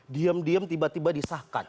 diem diem tiba tiba disahkan